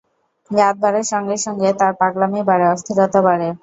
রাত বাড়ার সঙ্গে-সঙ্গে তার পাগলামি বাড়ে, অস্থিরতা বাড়ে।